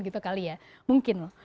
gitu kali ya mungkin loh